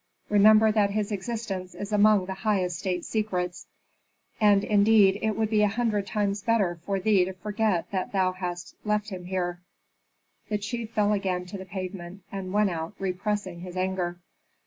Remember that his existence is among the highest state secrets, and indeed it would be a hundred times better for thee to forget that thou hast left him here." The chief fell again to the pavement, and went out repressing his anger.